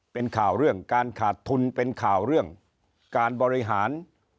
เป็นข่าวเรื่องการขาดทุนเป็นข่าวเรื่องการบริหาร